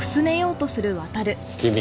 君。